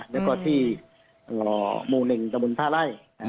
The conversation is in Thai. แล้วก็ที่หมู่หนิ่งตมท่าไล่